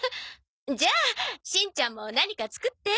じゃあしんちゃんも何か作って。